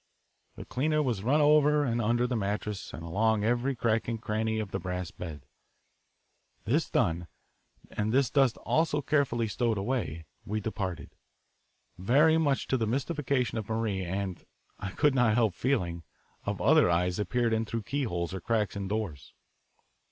The cleaner was run over and under the mattress and along every crack and cranny of the brass bed. This done and this dust also carefully stowed away, we departed, very much to the mystification of Marie and, I could not help feeling, of other eyes that peered in through keyholes or cracks in doors.